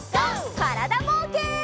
からだぼうけん。